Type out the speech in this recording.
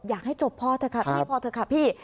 อยากให้จบพอเถอะครับนี่พอเถอะครับพี่